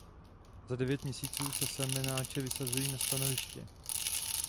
Za devět měsíců se semenáče vysazují na stanoviště.